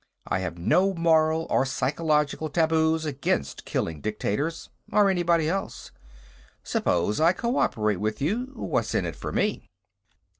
I have no moral or psychological taboos against killing dictators, or anybody else. Suppose I cooperate with you; what's in it for me?"